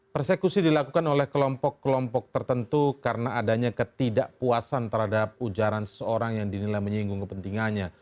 persekusi dilakukan oleh kelompok kelompok tertentu karena adanya ketidakpuasan terhadap ujaran seseorang yang dinilai menyinggung kepentingannya